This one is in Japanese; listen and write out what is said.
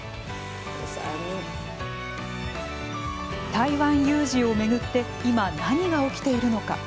台湾有事を巡って今、何が起きているのか。